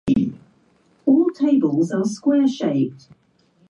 栃木県茂木町